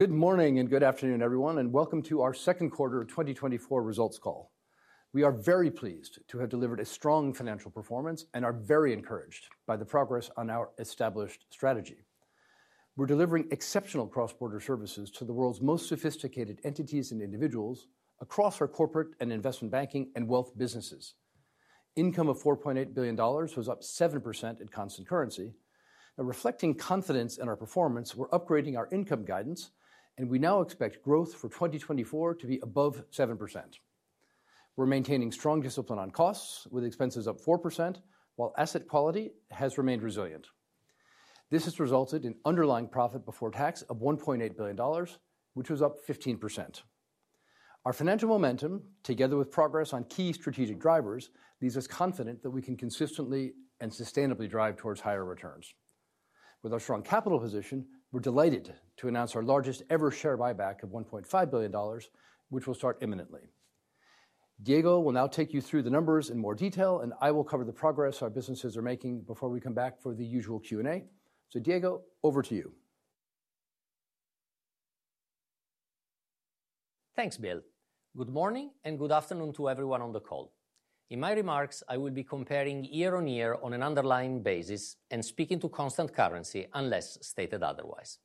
Good morning and good afternoon, everyone, and welcome to our second quarter of 2024 results call. We are very pleased to have delivered a strong financial performance and are very encouraged by the progress on our established strategy. We're delivering exceptional cross-border services to the world's most sophisticated entities and individuals across our corporate and investment banking and wealth businesses. Income of $4.8 billion was up 7% in constant currency. Now, reflecting confidence in our performance, we're upgrading our income guidance, and we now expect growth for 2024 to be above 7%. We're maintaining strong discipline on costs, with expenses up 4%, while asset quality has remained resilient. This has resulted in underlying profit before tax of $1.8 billion, which was up 15%. Our financial momentum, together with progress on key strategic drivers, leaves us confident that we can consistently and sustainably drive towards higher returns. With our strong capital position, we're delighted to announce our largest-ever share buyback of $1.5 billion, which will start imminently. Diego will now take you through the numbers in more detail, and I will cover the progress our businesses are making before we come back for the usual Q&A. Diego, over to you. Thanks, Bill. Good morning and good afternoon to everyone on the call. In my remarks, I will be comparing year-on-year on an underlying basis and speaking to constant currency, unless stated otherwise.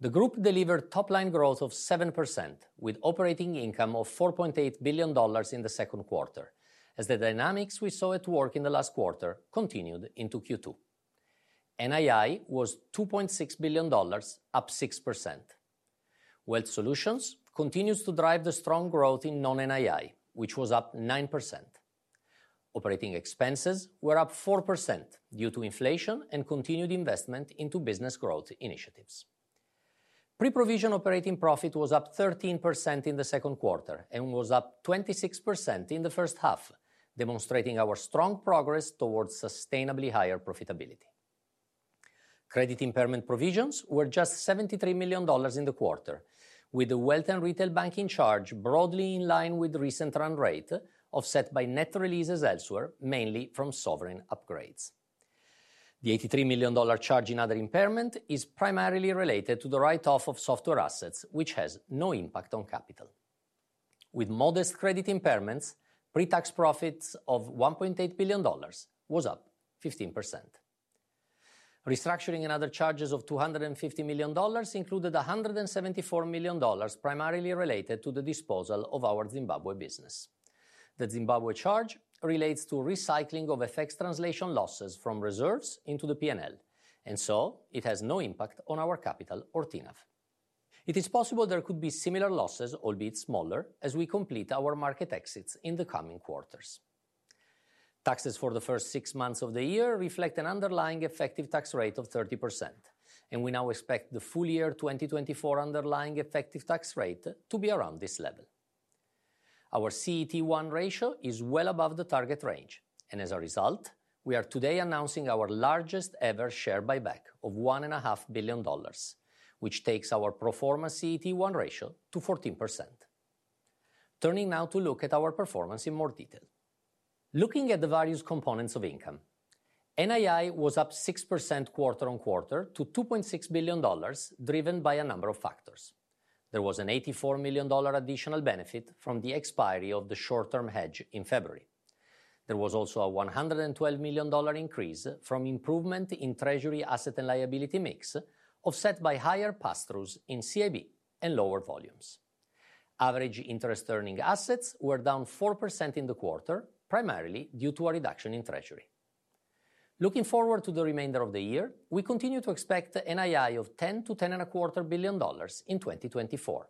The group delivered top-line growth of 7%, with operating income of $4.8 billion in the second quarter, as the dynamics we saw at work in the last quarter continued into Q2. NII was $2.6 billion, up 6%. Wealth Solutions continues to drive the strong growth in non-NII, which was up 9%. Operating expenses were up 4% due to inflation and continued investment into business growth initiatives. Pre-provision operating profit was up 13% in the second quarter and was up 26% in the first half, demonstrating our strong progress towards sustainably higher profitability. Credit impairment provisions were just $73 million in the quarter, with the wealth and retail banking charge broadly in line with recent run rate, offset by net releases elsewhere, mainly from sovereign upgrades. The $83 million charge in other impairment is primarily related to the write-off of software assets, which has no impact on capital. With modest credit impairments, pre-tax profits of $1.8 billion was up 15%. Restructuring and other charges of $250 million included $174 million, primarily related to the disposal of our Zimbabwe business. The Zimbabwe charge relates to recycling of FX translation losses from reserves into the P&L, and so it has no impact on our capital or TNAV. It is possible there could be similar losses, albeit smaller, as we complete our market exits in the coming quarters. Taxes for the first six months of the year reflect an underlying effective tax rate of 30%, and we now expect the full year 2024 underlying effective tax rate to be around this level. Our CET1 ratio is well above the target range, and as a result, we are today announcing our largest ever share buyback of $1.5 billion, which takes our pro forma CET1 ratio to 14%. Turning now to look at our performance in more detail. Looking at the various components of income, NII was up 6% quarter-on-quarter to $2.6 billion, driven by a number of factors. There was an $84 million additional benefit from the expiry of the short-term hedge in February. There was also a $112 million increase from improvement in treasury, asset and liability mix, offset by higher pass-throughs in CIB and lower volumes. Average interest earning assets were down 4% in the quarter, primarily due to a reduction in treasury. Looking forward to the remainder of the year, we continue to expect NII of $10 billion-$10.25 billion in 2024.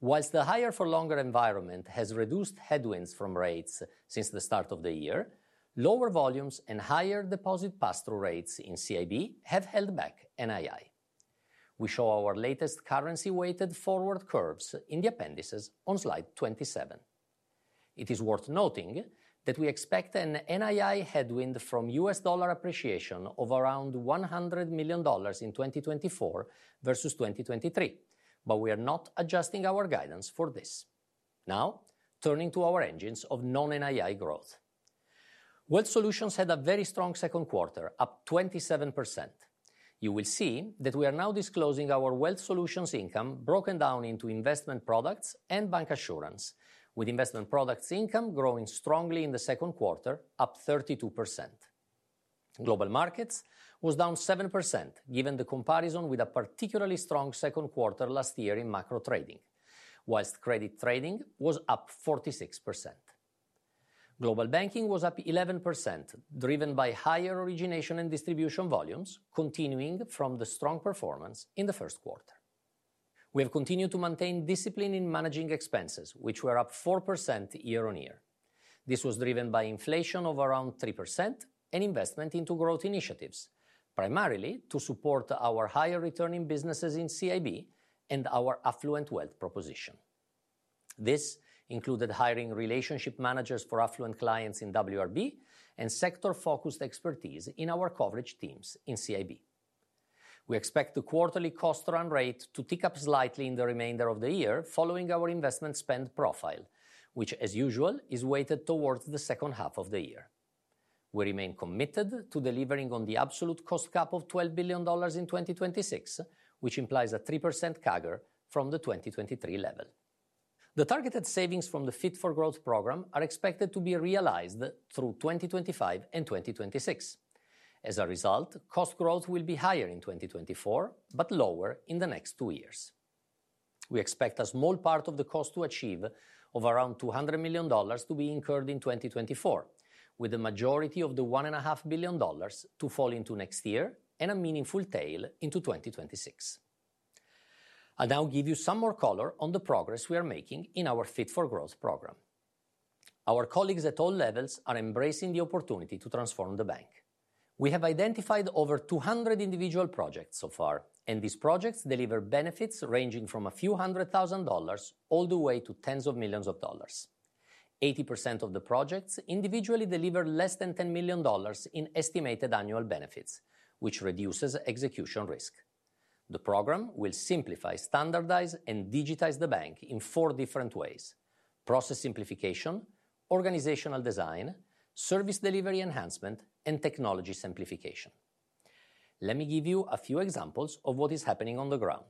While the higher for longer environment has reduced headwinds from rates since the start of the year, lower volumes and higher deposit pass-through rates in CIB have held back NII. We show our latest currency-weighted forward curves in the appendices on slide 27. It is worth noting that we expect an NII headwind from US dollar appreciation of around $100 million in 2024 versus 2023, but we are not adjusting our guidance for this. Now, turning to our engines of non-NII growth. Wealth Solutions had a very strong second quarter, up 27%. You will see that we are now disclosing our Wealth Solutions income broken down into investment products and bancassurance, with investment products income growing strongly in the second quarter, up 32%. Global Markets was down 7%, given the comparison with a particularly strong second quarter last year in macro trading, whilst credit trading was up 46%. Global Banking was up 11%, driven by higher origination and distribution volumes, continuing from the strong performance in the first quarter. We have continued to maintain discipline in managing expenses, which were up 4% year-on-year. This was driven by inflation of around 3% and investment into growth initiatives, primarily to support our higher returning businesses in CIB and our affluent wealth proposition. This included hiring relationship managers for affluent clients in WRB and sector-focused expertise in our coverage teams in CIB. We expect the quarterly cost run rate to tick up slightly in the remainder of the year following our investment spend profile, which, as usual, is weighted towards the second half of the year. We remain committed to delivering on the absolute cost cap of $12 billion in 2026, which implies a 3% CAGR from the 2023 level. The targeted savings from the Fit for Growth program are expected to be realized through 2025 and 2026. As a result, cost growth will be higher in 2024, but lower in the next two years. We expect a small part of the cost to achieve of around $200 million to be incurred in 2024, with the majority of the $1.5 billion to fall into next year and a meaningful tail into 2026. I'll now give you some more color on the progress we are making in our Fit for Growth program. Our colleagues at all levels are embracing the opportunity to transform the bank. We have identified over 200 individual projects so far, and these projects deliver benefits ranging from a few hundred thousand dollars all the way to tens of millions of dollars. 80% of the projects individually deliver less than $10 million in estimated annual benefits, which reduces execution risk. The program will simplify, standardize, and digitize the bank in four different ways: process simplification, organizational design, service delivery enhancement, and technology simplification. Let me give you a few examples of what is happening on the ground.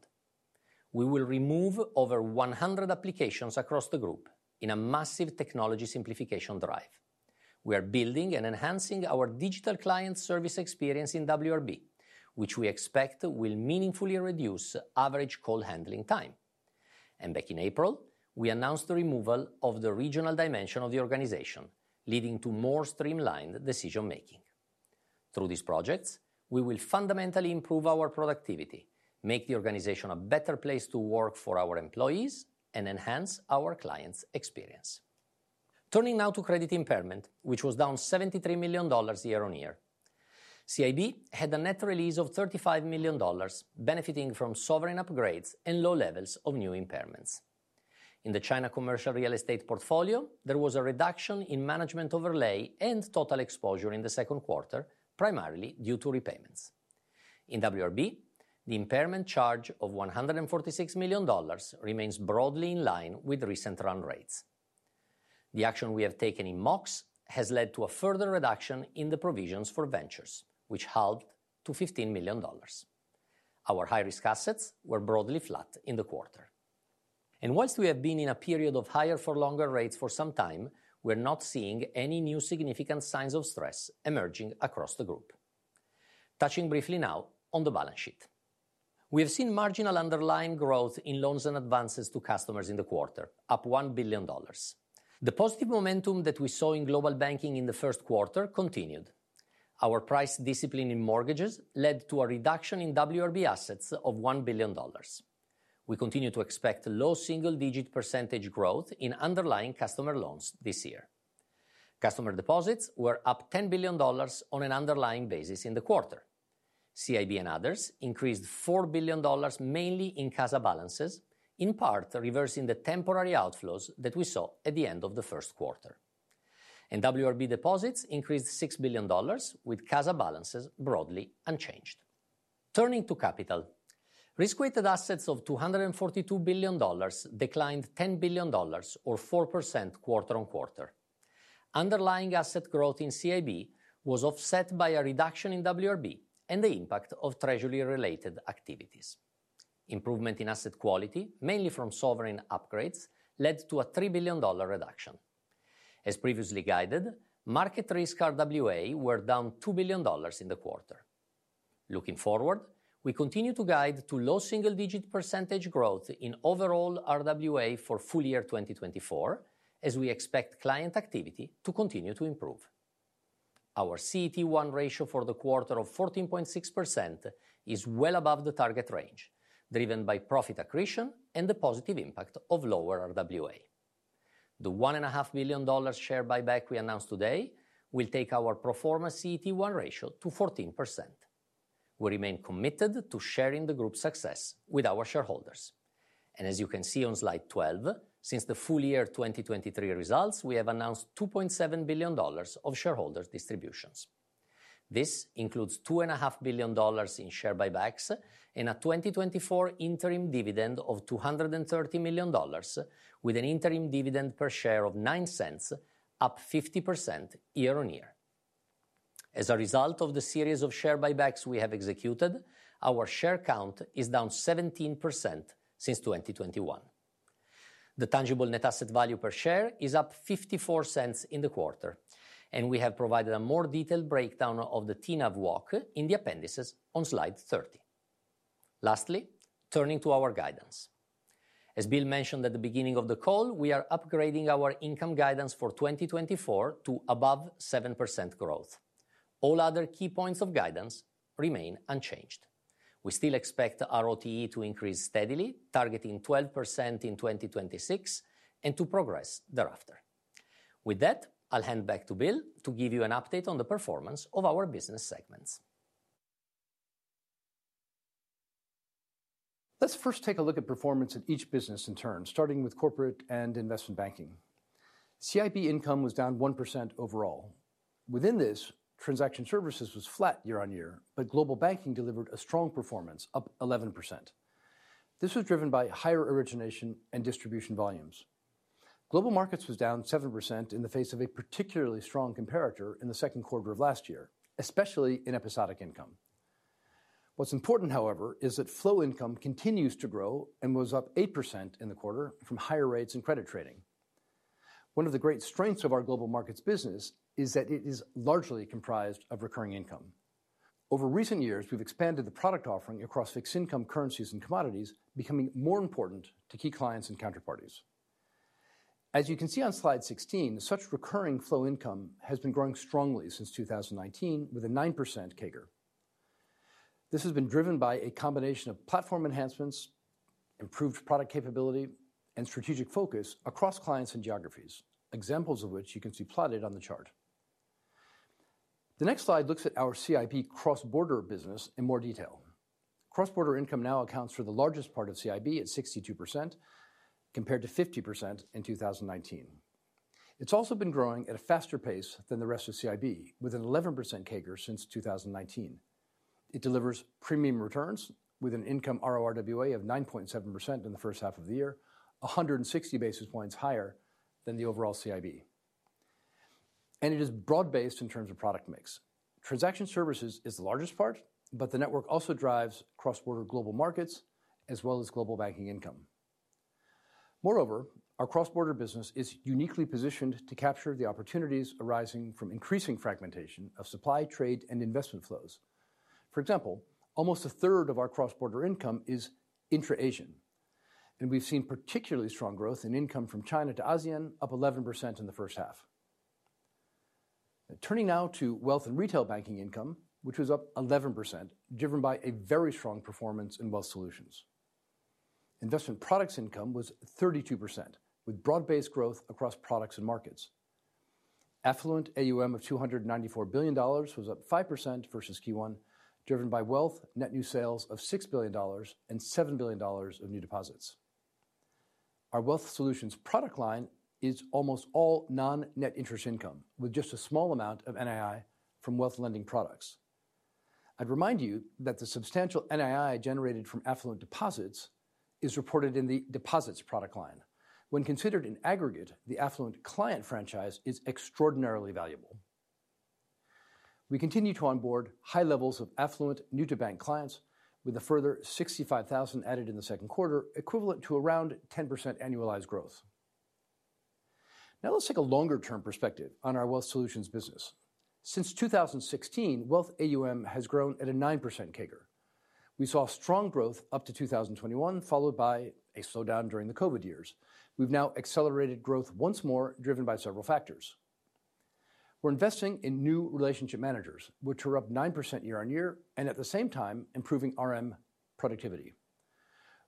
We will remove over 100 applications across the group in a massive technology simplification drive. We are building and enhancing our digital client service experience in WRB, which we expect will meaningfully reduce average call handling time. Back in April, we announced the removal of the regional dimension of the organization, leading to more streamlined decision making. Through these projects, we will fundamentally improve our productivity, make the organization a better place to work for our employees, and enhance our clients' experience. Turning now to credit impairment, which was down $73 million year-on-year. CIB had a net release of $35 million, benefiting from sovereign upgrades and low levels of new impairments. In the China commercial real estate portfolio, there was a reduction in management overlay and total exposure in the second quarter, primarily due to repayments. In WRB, the impairment charge of $146 million remains broadly in line with recent run rates. The action we have taken in Mox has led to a further reduction in the provisions for Ventures, which halved to $15 million. Our high-risk assets were broadly flat in the quarter. Whilst we have been in a period of higher-for-longer rates for some time, we're not seeing any new significant signs of stress emerging across the group. Touching briefly now on the balance sheet. We have seen marginal underlying growth in loans and advances to customers in the quarter, up $1 billion. The positive momentum that we saw in global banking in the first quarter continued. Our price discipline in mortgages led to a reduction in WRB assets of $1 billion. We continue to expect low single-digit % growth in underlying customer loans this year. Customer deposits were up $10 billion on an underlying basis in the quarter. CIB and others increased $4 billion, mainly in CASA balances, in part reversing the temporary outflows that we saw at the end of the first quarter. WRB deposits increased $6 billion, with CASA balances broadly unchanged. Turning to capital, risk-weighted assets of $242 billion declined $10 billion or 4% quarter-on-quarter. Underlying asset growth in CIB was offset by a reduction in WRB and the impact of treasury-related activities. Improvement in asset quality, mainly from sovereign upgrades, led to a $3 billion reduction. As previously guided, market risk RWA were down $2 billion in the quarter. Looking forward, we continue to guide to low single-digit percentage growth in overall RWA for full year 2024, as we expect client activity to continue to improve. Our CET1 ratio for the quarter of 14.6% is well above the target range, driven by profit accretion and the positive impact of lower RWA. The $1.5 billion share buyback we announced today will take our pro forma CET1 ratio to 14%. We remain committed to sharing the group's success with our shareholders. And as you can see on slide 12, since the full year 2023 results, we have announced $2.7 billion of shareholder distributions. This includes $2.5 billion in share buybacks and a 2024 interim dividend of $230 million, with an interim dividend per share of $0.09, up 50% year-on-year. As a result of the series of share buybacks we have executed, our share count is down 17% since 2021. The tangible net asset value per share is up $0.54 in the quarter, and we have provided a more detailed breakdown of the TNAV walk in the appendices on slide 30. Lastly, turning to our guidance. As Bill mentioned at the beginning of the call, we are upgrading our income guidance for 2024 to above 7% growth. All other key points of guidance remain unchanged. We still expect ROTE to increase steadily, targeting 12% in 2026, and to progress thereafter. With that, I'll hand back to Bill to give you an update on the performance of our business segments. Let's first take a look at performance at each business in turn, starting with Corporate and Investment Banking. CIB income was down 1% overall. Within this, Transaction Services was flat year-on-year, but global banking delivered a strong performance, up 11%. This was driven by higher origination and distribution volumes. Global markets was down 7% in the face of a particularly strong comparator in the second quarter of last year, especially in Episodic income. What's important, however, is that Flow income continues to grow and was up 8% in the quarter from higher rates and credit trading. One of the great strengths of our global markets business is that it is largely comprised of recurring income. Over recent years, we've expanded the product offering across Fixed Income, Currencies and Commodities, becoming more important to key clients and counterparties. As you can see on slide 16, such recurring flow income has been growing strongly since 2019, with a 9% CAGR. This has been driven by a combination of platform enhancements, improved product capability, and strategic focus across clients and geographies, examples of which you can see plotted on the chart. The next slide looks at our CIB cross-border business in more detail. Cross-border income now accounts for the largest part of CIB at 62%, compared to 50% in 2019. It's also been growing at a faster pace than the rest of CIB, with an 11% CAGR since 2019. It delivers premium returns with an income RORWA of 9.7% in the first half of the year, 160 basis points higher than the overall CIB. And it is broad-based in terms of product mix. Transaction services is the largest part, but the network also drives cross-border global markets as well as global banking income. Moreover, our cross-border business is uniquely positioned to capture the opportunities arising from increasing fragmentation of supply, trade, and investment flows. For example, almost a third of our cross-border income is intra-Asian, and we've seen particularly strong growth in income from China to ASEAN, up 11% in the first half. Turning now to Wealth and Retail Banking income, which was up 11%, driven by a very strong performance in Wealth Solutions. Investment products income was 32%, with broad-based growth across products and markets. Affluent AUM of $294 billion was up 5% versus Q1, driven by wealth net new sales of $6 billion and $7 billion of new deposits. Our Wealth Solutions product line is almost all non-net interest income, with just a small amount of NII from wealth lending products. I'd remind you that the substantial NII generated from affluent deposits is reported in the deposits product line. When considered in aggregate, the affluent client franchise is extraordinarily valuable. We continue to onboard high levels of affluent new-to-bank clients, with a further 65,000 added in the second quarter, equivalent to around 10% annualized growth. Now let's take a longer-term perspective on our Wealth Solutions business. Since 2016, wealth AUM has grown at a 9% CAGR. We saw strong growth up to 2021, followed by a slowdown during the COVID years. We've now accelerated growth once more, driven by several factors. We're investing in new relationship managers, which are up 9% year-on-year, and at the same time improving RM productivity.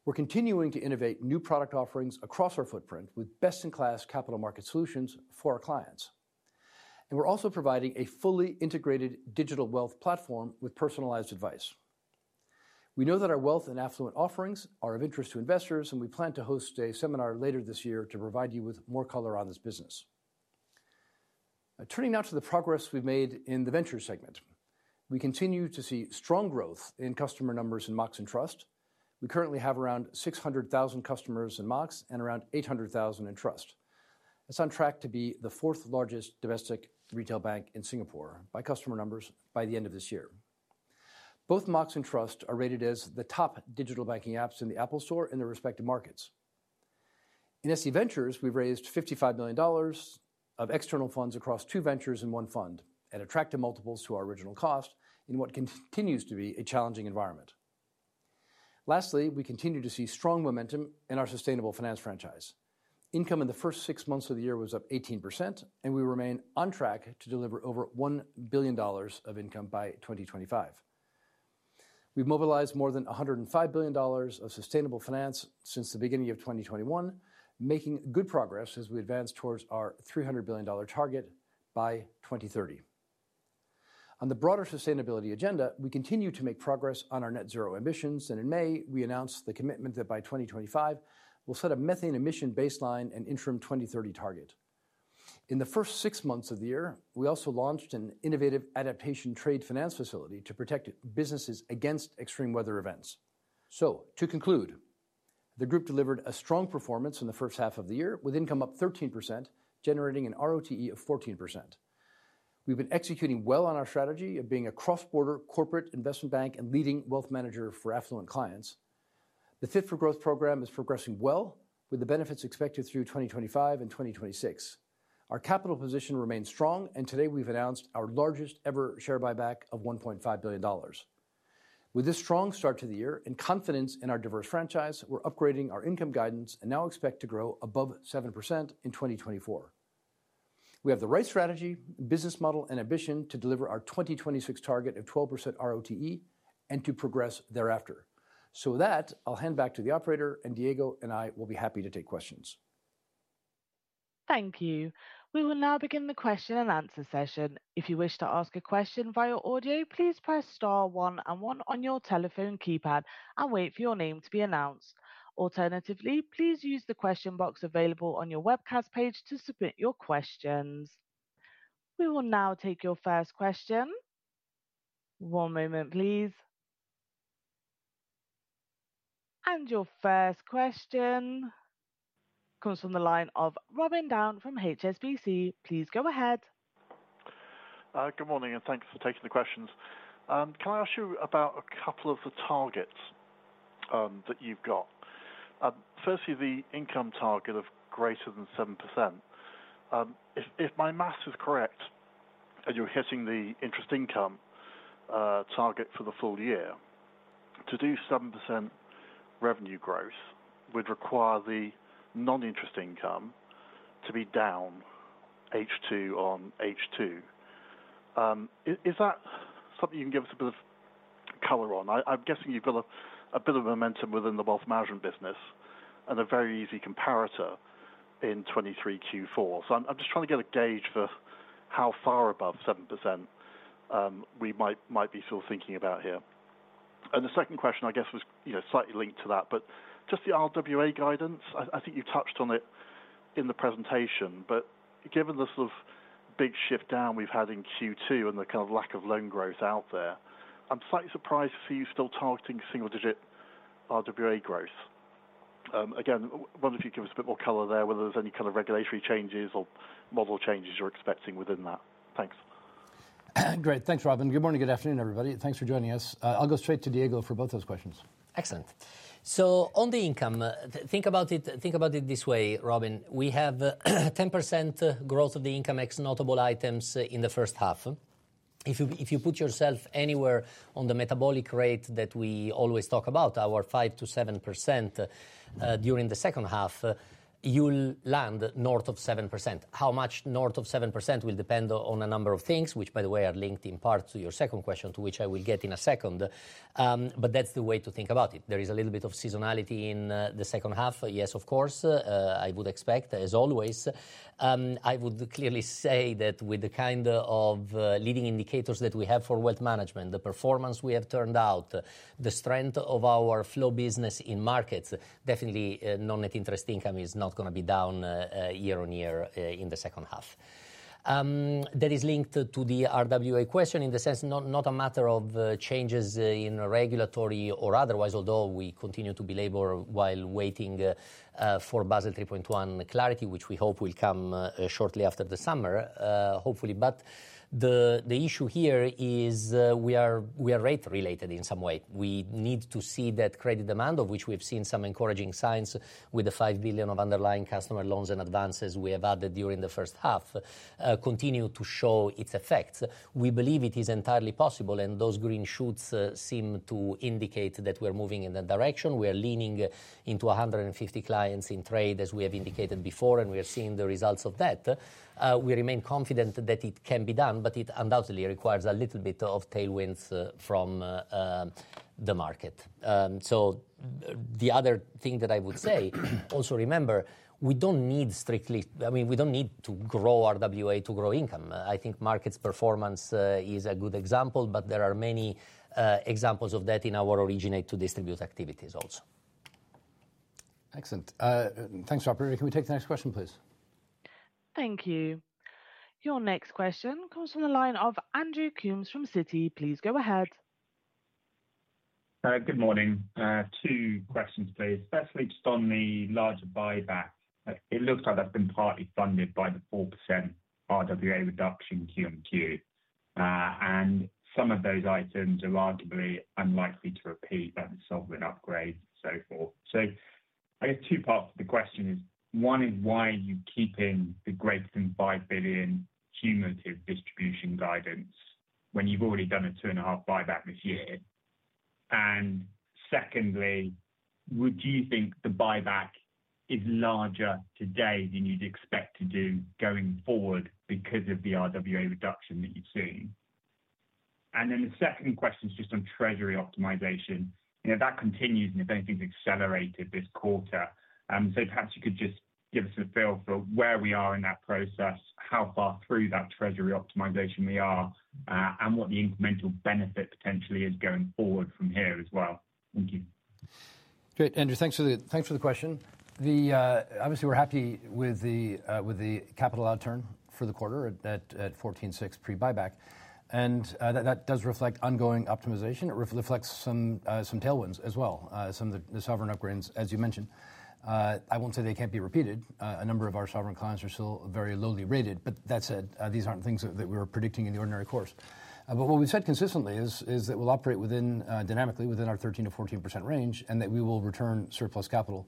We're continuing to innovate new product offerings across our footprint with best-in-class capital market solutions for our clients, and we're also providing a fully integrated digital wealth platform with personalized advice. We know that our wealth and affluent offerings are of interest to investors, and we plan to host a seminar later this year to provide you with more color on this business. Turning now to the progress we've made in the ventures segment. We continue to see strong growth in customer numbers in Mox and Trust. We currently have around 600,000 customers in Mox and around 800,000 in Trust. It's on track to be the fourth largest domestic retail bank in Singapore by customer numbers by the end of this year. Both Mox and Trust are rated as the top digital banking apps in the Apple Store in their respective markets. In SC Ventures, we've raised $55 million of external funds across two ventures and one fund, and attracted multiples to our original cost in what continues to be a challenging environment. Lastly, we continue to see strong momentum in our sustainable finance franchise. Income in the first six months of the year was up 18%, and we remain on track to deliver over $1 billion of income by 2025. We've mobilized more than $105 billion of sustainable finance since the beginning of 2021, making good progress as we advance towards our $300 billion target by 2030. On the broader sustainability agenda, we continue to make progress on our net zero emissions, and in May, we announced the commitment that by 2025, we'll set a methane emission baseline and interim 2030 target. In the first six months of the year, we also launched an innovative adaptation trade finance facility to protect businesses against extreme weather events. So to conclude, the group delivered a strong performance in the first half of the year, with income up 13%, generating a ROTE of 14%. We've been executing well on our strategy of being a cross-border corporate investment bank and leading wealth manager for affluent clients. The Fit for Growth program is progressing well, with the benefits expected through 2025 and 2026. Our capital position remains strong, and today we've announced our largest-ever share buyback of $1.5 billion. With this strong start to the year and confidence in our diverse franchise, we're upgrading our income guidance and now expect to grow above 7% in 2024. We have the right strategy, business model, and ambition to deliver our 2026 target of 12% ROTE and to progress thereafter. So with that, I'll hand back to the operator, and Diego and I will be happy to take questions. Thank you. We will now begin the question-and-answer session. If you wish to ask a question via audio, please press star one and one on your telephone keypad and wait for your name to be announced. Alternatively, please use the question box available on your webcast page to submit your questions. We will now take your first question.... One moment, please. And your first question comes from the line of Robin Down from HSBC. Please go ahead. Good morning, and thank you for taking the questions. Can I ask you about a couple of the targets that you've got? Firstly, the income target of greater than 7%. If my math is correct, and you're hitting the interest income target for the full year, to do 7% revenue growth would require the non-interest income to be down H2 on H2. Is that something you can give us a bit of color on? I'm guessing you've built a bit of momentum within the wealth management business and a very easy comparator in 2023 Q4. So I'm just trying to get a gauge for how far above 7% we might be sort of thinking about here. The second question, I guess, was, you know, slightly linked to that, but just the RWA guidance, I think you touched on it in the presentation. But given the sort of big shift down we've had in Q2 and the kind of lack of loan growth out there, I'm slightly surprised to see you still targeting single-digit RWA growth. Again, I wonder if you'd give us a bit more color there, whether there's any kind of regulatory changes or model changes you're expecting within that. Thanks. Great. Thanks, Robin. Good morning, good afternoon, everybody, and thanks for joining us. I'll go straight to Diego for both those questions. Excellent. So on the income, think about it, think about it this way, Robin: we have 10% growth of the income ex notable items in the first half. If you, if you put yourself anywhere on the metabolic rate that we always talk about, our 5%-7%, during the second half, you'll land north of 7%. How much north of 7% will depend on a number of things, which, by the way, are linked in part to your second question, to which I will get in a second. But that's the way to think about it. There is a little bit of seasonality in the second half. Yes, of course, I would expect, as always. I would clearly say that with the kind of, leading indicators that we have for wealth management, the performance we have turned out, the strength of our flow business in markets, definitely, non-interest income is not gonna be down, year-on-year, in the second half. That is linked to the RWA question in the sense not, not a matter of, changes in regulatory or otherwise, although we continue to belabor while waiting, for Basel 3.1 clarity, which we hope will come, shortly after the summer, hopefully. But the issue here is, we are rate related in some way. We need to see that credit demand, of which we've seen some encouraging signs with the $5 billion of underlying customer loans and advances we have added during the first half, continue to show its effects. We believe it is entirely possible, and those green shoots seem to indicate that we're moving in that direction. We are leaning into 150 clients in trade, as we have indicated before, and we are seeing the results of that. We remain confident that it can be done, but it undoubtedly requires a little bit of tailwinds from the market. So the other thing that I would say, also remember, we don't need strictly... I mean, we don't need to grow RWA to grow income. I think markets performance is a good example, but there are many examples of that in our originate to distribute activities also. Excellent. Thanks, Robin. Can we take the next question, please? Thank you. Your next question comes from the line of Andrew Coombs from Citi. Please go ahead. Good morning. Two questions, please. Firstly, just on the larger buyback, it looks like that's been partly funded by the 4% RWA reduction QMQ. And some of those items are arguably unlikely to repeat, like the sovereign upgrade, so forth. So I guess two parts to the question is, one, is why are you keeping the greater than $5 billion cumulative distribution guidance when you've already done a $2.5 billion buyback this year? And secondly, would you think the buyback is larger today than you'd expect to do going forward because of the RWA reduction that you've seen? And then the second question is just on treasury optimization. You know, that continues, and if anything, it's accelerated this quarter. So, perhaps you could just give us a feel for where we are in that process, how far through that treasury optimization we are, and what the incremental benefit potentially is going forward from here as well. Thank you. Great, Andrew. Thanks for the question. Obviously, we're happy with the capital outturn for the quarter at 14.6 pre-buyback, and that does reflect ongoing optimization. It reflects some tailwinds as well, some of the sovereign upgrades, as you mentioned. I won't say they can't be repeated. A number of our sovereign clients are still very lowly rated, but that said, these aren't things that we're predicting in the ordinary course. But what we've said consistently is that we'll operate dynamically within our 13%-14% range, and that we will return surplus capital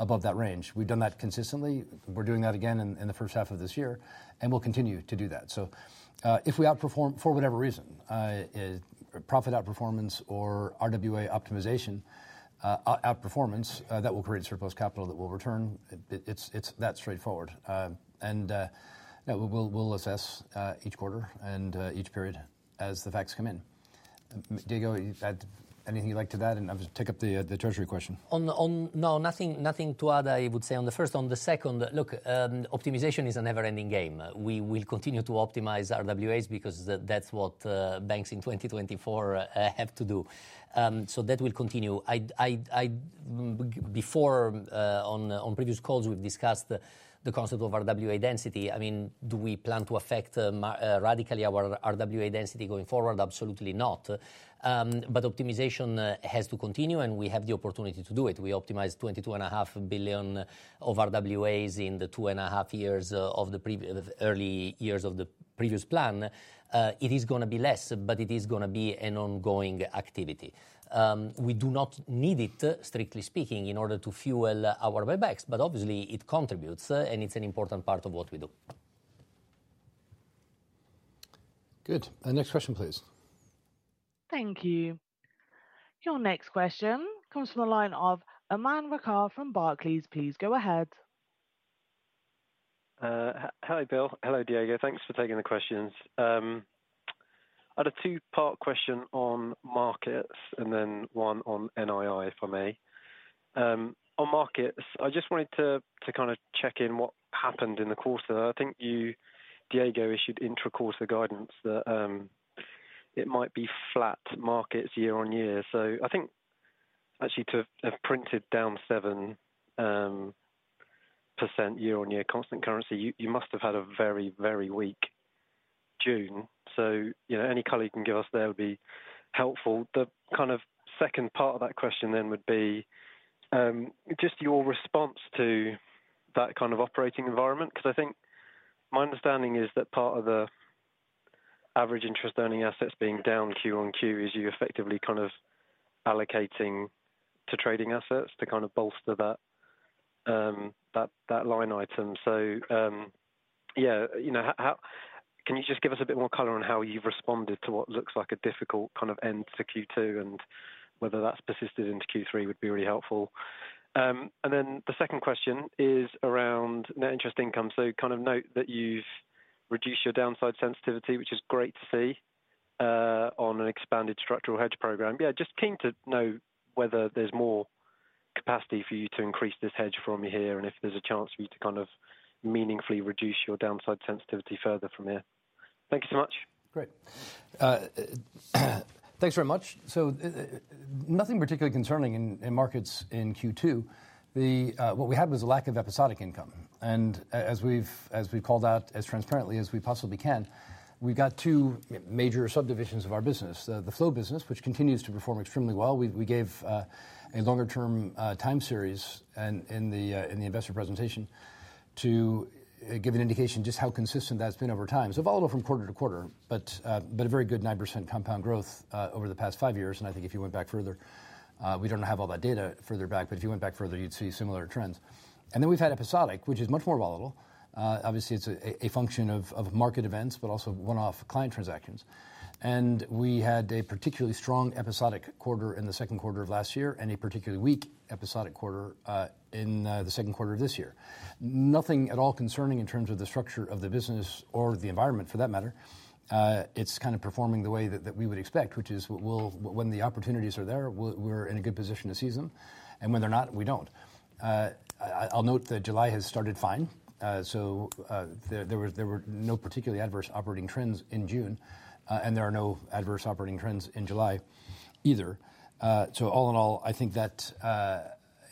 above that range. We've done that consistently. We're doing that again in the first half of this year, and we'll continue to do that. So, if we outperform for whatever reason, profit outperformance or RWA optimization, outperformance, that will create surplus capital that we'll return. It's that straightforward. Yeah, we'll assess each quarter and each period as the facts come in. Diego, you add anything you'd like to that, and I'll just take up the treasury question. No, nothing to add, I would say on the first. On the second, look, optimization is a never-ending game. We will continue to optimize our RWAs because that's what banks in 2024 have to do. So that will continue. Before, on previous calls, we've discussed the concept of RWA density. I mean, do we plan to affect radically our RWA density going forward? Absolutely not. But optimization has to continue, and we have the opportunity to do it. We optimized 22.5 billion of RWAs in the 2.5 years of the early years of the previous plan. It is gonna be less, but it is gonna be an ongoing activity. We do not need it, strictly speaking, in order to fuel our buybacks, but obviously it contributes, and it's an important part of what we do. Good. Next question, please. Thank you. Your next question comes from the line of Aman Rakkar from Barclays. Please go ahead. Hi, Bill. Hello, Diego. Thanks for taking the questions. I had a two-part question on markets and then one on NII, if I may. On markets, I just wanted to kind of check in what happened in the quarter. I think you, Diego, issued intra-quarter guidance that it might be flat markets year-over-year. So I think actually to have printed down 7% year-over-year, constant currency, you must have had a very, very weak June. So, you know, any color you can give us there would be helpful. The kind of second part of that question then would be just your response to that kind of operating environment, because I think my understanding is that part of the average interest earning assets being down Q-on-Q is you effectively kind of allocating to trading assets to kind of bolster that line item. So yeah, you know, can you just give us a bit more color on how you've responded to what looks like a difficult kind of end to Q2, and whether that's persisted into Q3 would be really helpful. And then the second question is around net interest income. So kind of note that you've reduced your downside sensitivity, which is great to see on an expanded structural hedge program. Yeah, just keen to know whether there's more capacity for you to increase this hedge from here, and if there's a chance for you to kind of meaningfully reduce your downside sensitivity further from here. Thank you so much. Great. Thanks very much. So, nothing particularly concerning in markets in Q2. What we had was a lack of episodic income, and as we've called out, as transparently as we possibly can, we've got two major subdivisions of our business. The flow business, which continues to perform extremely well. We gave a longer-term time series in the investor presentation, to give an indication just how consistent that's been over time. So volatile from quarter to quarter, but a very good 9% compound growth over the past five years. And I think if you went back further, we don't have all that data further back, but if you went back further, you'd see similar trends. And then we've had episodic, which is much more volatile. Obviously, it's a function of market events, but also one-off client transactions. And we had a particularly strong episodic quarter in the second quarter of last year and a particularly weak episodic quarter in the second quarter of this year. Nothing at all concerning in terms of the structure of the business or the environment, for that matter. It's kind of performing the way that we would expect, which is we'll, when the opportunities are there, we're in a good position to seize them, and when they're not, we don't. I'll note that July has started fine. So, there were no particularly adverse operating trends in June, and there are no adverse operating trends in July either. So all in all, I think that,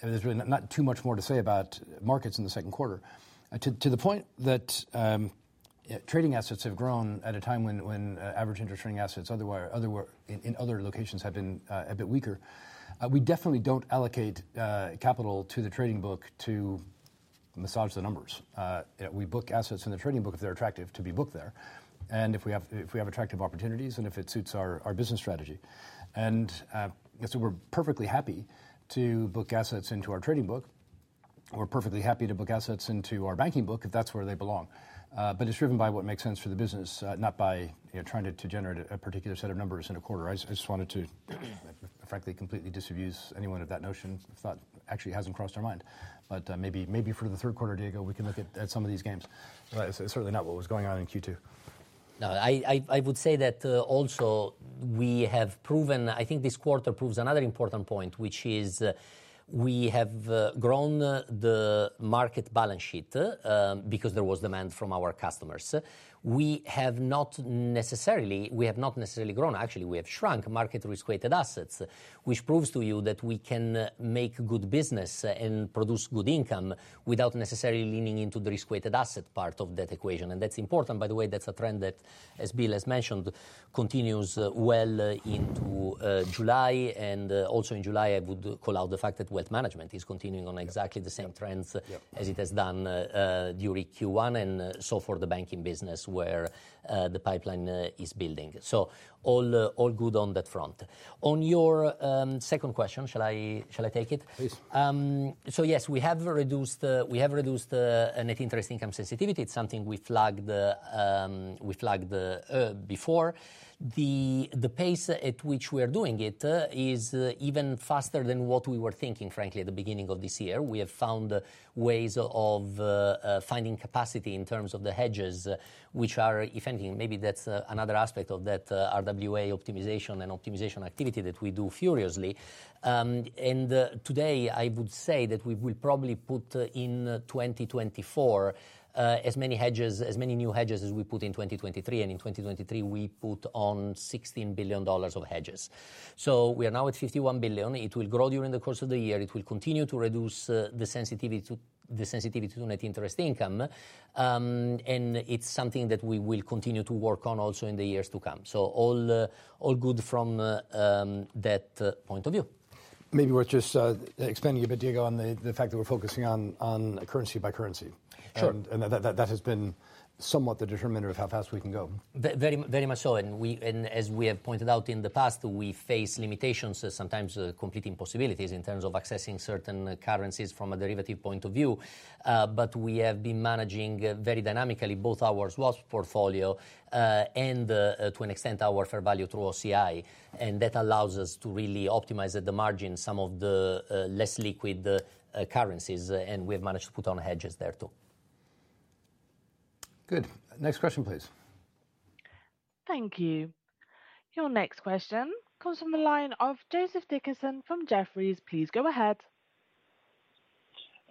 there's really not too much more to say about markets in the second quarter. To the point that trading assets have grown at a time when average interest earning assets in other locations have been a bit weaker. We definitely don't allocate capital to the trading book to massage the numbers. We book assets in the trading book if they're attractive to be booked there, and if we have attractive opportunities and if it suits our business strategy. So we're perfectly happy to book assets into our trading book. We're perfectly happy to book assets into our banking book if that's where they belong. But it's driven by what makes sense for the business, not by, you know, trying to generate a particular set of numbers in a quarter. I just, I just wanted to, frankly, completely disabuse anyone of that notion. I thought actually it hasn't crossed our mind. But, maybe, maybe for the third quarter, Diego, we can look at some of these gains. But it's certainly not what was going on in Q2. No, I would say that, also we have proven... I think this quarter proves another important point, which is, we have, grown the market balance sheet, because there was demand from our customers. We have not necessarily, we have not necessarily grown, actually, we have shrunk market risk-weighted assets, which proves to you that we can make good business, and produce good income without necessarily leaning into the risk-weighted asset part of that equation, and that's important. By the way, that's a trend that, as Bill has mentioned, continues, well into, July. And, also in July, I would call out the fact that wealth management is continuing on exactly the same trends- Yep... as it has done during Q1, and so for the banking business, where the pipeline is building. So all, all good on that front. On your second question, shall I, shall I take it? Please. So yes, we have reduced the net interest income sensitivity. It's something we flagged before. The pace at which we are doing it is even faster than what we were thinking, frankly, at the beginning of this year. We have found ways of finding capacity in terms of the hedges which are offending. Maybe that's another aspect of that RWA optimization activity that we do furiously. And today, I would say that we will probably put in 2024 as many new hedges as we put in 2023, and in 2023, we put on $16 billion of hedges. So we are now at $51 billion. It will grow during the course of the year. It will continue to reduce the sensitivity to net interest income. And it's something that we will continue to work on also in the years to come. So all good from that point of view. Maybe worth just expanding a bit, Diego, on the fact that we're focusing on currency by currency. Sure. That has been somewhat the determiner of how fast we can go. Very, very much so, and as we have pointed out in the past, we face limitations, sometimes complete impossibilities, in terms of accessing certain currencies from a derivative point of view. But we have been managing very dynamically, both our swaps portfolio and, to an extent, our fair value through OCI, and that allows us to really optimize at the margin some of the less liquid currencies, and we've managed to put on hedges there, too. Good. Next question, please. Thank you. Your next question comes from the line of Joseph Dickerson from Jefferies. Please go ahead.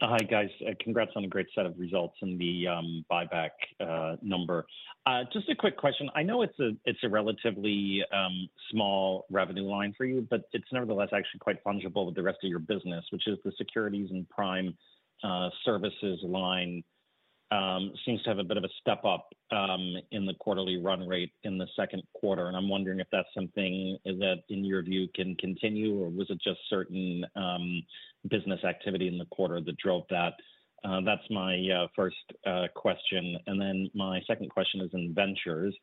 Hi, guys. Congrats on a great set of results and the buyback number. Just a quick question. I know it's a relatively small revenue line for you, but it's nevertheless actually quite fungible with the rest of your business, which is the securities and prime services line. Seems to have a bit of a step-up in the quarterly run rate in the second quarter, and I'm wondering if that's something that, in your view, can continue, or was it just certain business activity in the quarter that drove that? That's my first question. And then my second question is in ventures,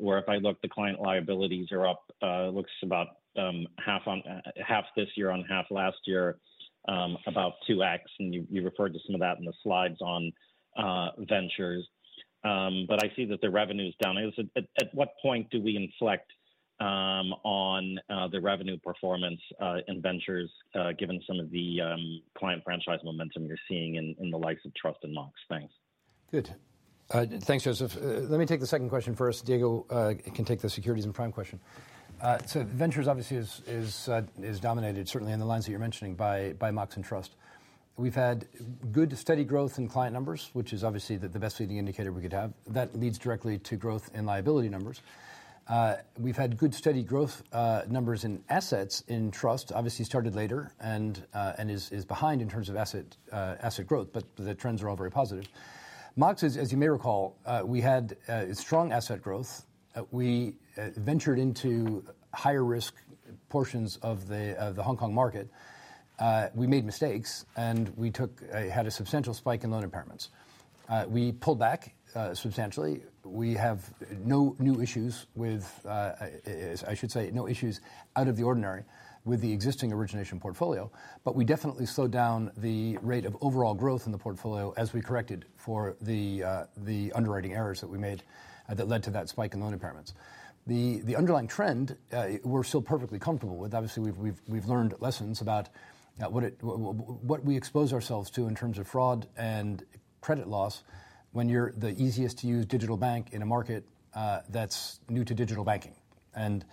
where if I look, the client liabilities are up, it looks about half on half this year on half last year, about 2x, and you, you referred to some of that in the slides on ventures. But I see that the revenue's down. At what point do we inflect on the revenue performance in ventures, given some of the client franchise momentum you're seeing in the likes of Trust and Mox? Thanks. Good. Thanks, Joseph. Let me take the second question first. Diego can take the securities and prime question. So ventures obviously is dominated, certainly in the lines that you're mentioning, by Mox and Trust. We've had good, steady growth in client numbers, which is obviously the best leading indicator we could have. That leads directly to growth in liability numbers. We've had good, steady growth numbers in assets in Trust. Obviously started later, and is behind in terms of asset growth, but the trends are all very positive. Mox, as you may recall, we had strong asset growth. We ventured into higher risk portions of the Hong Kong market. We made mistakes, and we took... had a substantial spike in loan impairments. We pulled back substantially. We have no new issues with, as I should say, no issues out of the ordinary, with the existing origination portfolio, but we definitely slowed down the rate of overall growth in the portfolio as we corrected for the underwriting errors that we made, that led to that spike in loan impairments. The underlying trend, we're still perfectly comfortable with. Obviously, we've learned lessons about, what we expose ourselves to in terms of fraud and credit loss when you're the easiest to use digital bank in a market, that's new to digital banking. And,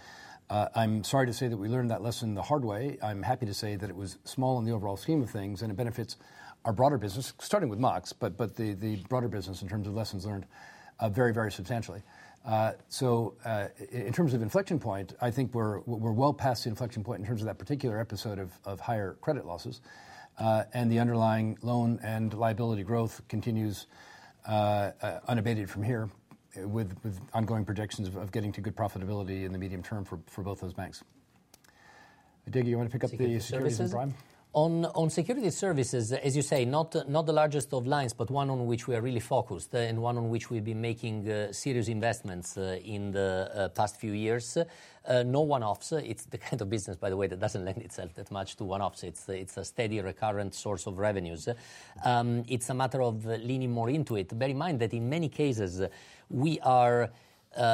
I'm sorry to say that we learned that lesson the hard way. I'm happy to say that it was small in the overall scheme of things, and it benefits our broader business, starting with Mox, but the broader business in terms of lessons learned, very, very substantially. So, in terms of inflection point, I think we're well past the inflection point in terms of that particular episode of higher credit losses. And the underlying loan and liability growth continues unabated from here, with ongoing projections of getting to good profitability in the medium term for both those banks. Diego, you want to pick up the securities and prime? On securities services, as you say, not the largest of lines, but one on which we are really focused and one on which we've been making serious investments in the past few years. No one-offs. It's the kind of business, by the way, that doesn't lend itself that much to one-offs. It's a steady, recurrent source of revenues. It's a matter of leaning more into it. Bear in mind that in many cases, we are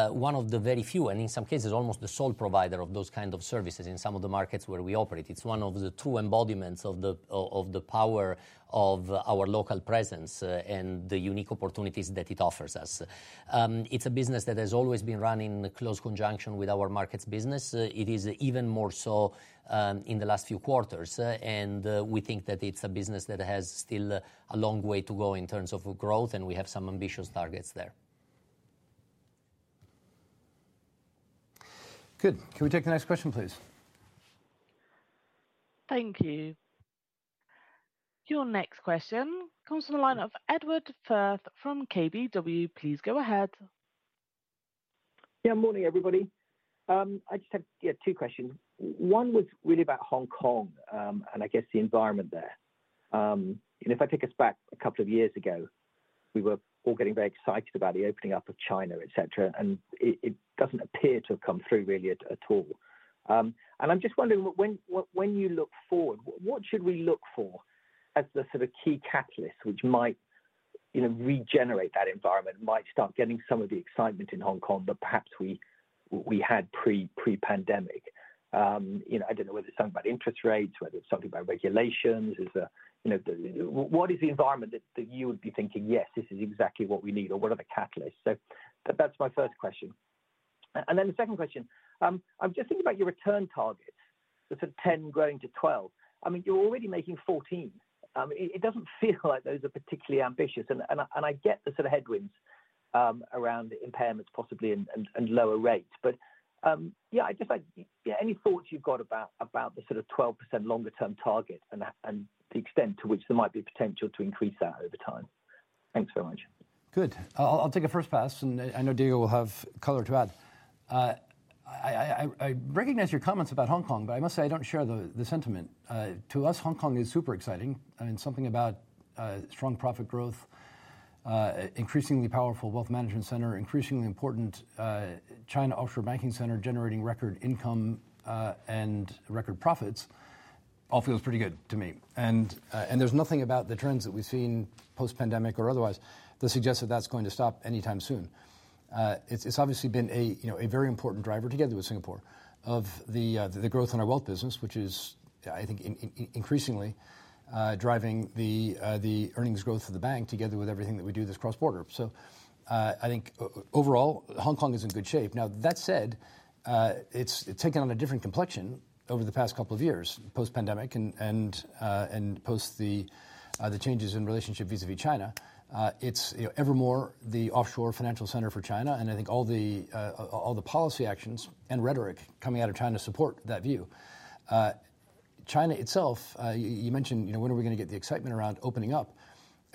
one of the very few, and in some cases, almost the sole provider of those kind of services in some of the markets where we operate. It's one of the two embodiments of the power of our local presence and the unique opportunities that it offers us. It's a business that has always been run in close conjunction with our markets business. It is even more so in the last few quarters, and we think that it's a business that has still a long way to go in terms of growth, and we have some ambitious targets there. Good. Can we take the next question, please? Thank you. Your next question comes from the line of Edward Firth from KBW. Please go ahead. Yeah, morning, everybody. I just had, yeah, two questions. One was really about Hong Kong, and I guess the environment there. And if I take us back a couple of years ago, we were all getting very excited about the opening up of China, et cetera, and it doesn't appear to have come through really at all. And I'm just wondering, when you look forward, what should we look for as the sort of key catalyst, which might, you know, regenerate that environment, might start getting some of the excitement in Hong Kong that perhaps we had pre-pandemic? You know, I don't know whether it's something about interest rates, whether it's something about regulations. Is there, you know, what is the environment that you would be thinking, "Yes, this is exactly what we need," or what are the catalysts? So that's my first question. And then the second question, I'm just thinking about your return target, the sort of 10% growing to 12%. I mean, you're already making 14%. It doesn't feel like those are particularly ambitious, and I get the sort of headwinds around the impairments possibly and lower rates. But, yeah, I just like... Yeah, any thoughts you've got about the sort of 12% longer-term target and the extent to which there might be potential to increase that over time? Thanks so much. Good. I'll take a first pass, and I know Diego will have color to add. I recognize your comments about Hong Kong, but I must say, I don't share the sentiment. To us, Hong Kong is super exciting. I mean, something about strong profit growth, increasingly powerful wealth management center, increasingly important China offshore banking center, generating record income and record profits, all feels pretty good to me. And there's nothing about the trends that we've seen post-pandemic or otherwise that suggests that that's going to stop anytime soon. It's obviously been, you know, a very important driver together with Singapore, of the growth in our wealth business, which is, I think, increasingly driving the earnings growth of the bank, together with everything that we do that's cross-border. So, I think overall, Hong Kong is in good shape. Now, that said, it's taken on a different complexion over the past couple of years, post-pandemic and post the changes in relationship vis-à-vis China. It's, you know, ever more the offshore financial center for China, and I think all the policy actions and rhetoric coming out of China support that view. China itself, you mentioned, you know, when are we going to get the excitement around opening up?